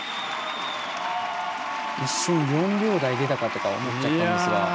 一瞬、４秒台出たかとか思っちゃったんですが。